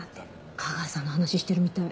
架川さんの話してるみたい。